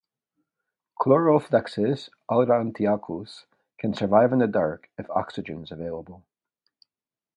"Chloroflexus aurantiacus" can survive in the dark if oxygen is available.